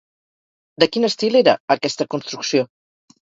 De quin estil era aquesta construcció?